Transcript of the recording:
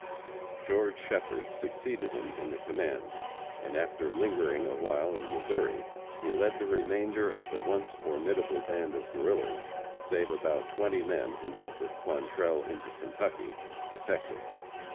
George Shepherd succeeded him in the command, and after lingering awhile in Missouri, he led the remainder of the once formidable band of Guerrillas, save about twenty men, who went with Quantrell into Kentucky to Texas.